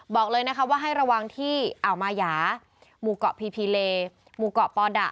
บอกเลยนะคะว่าให้ระวังที่อ่าวมายาหมู่เกาะพีพีเลหมู่เกาะปอดะ